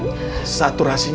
biar om baik kembali selamat